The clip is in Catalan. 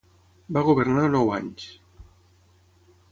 Va governar nou anys.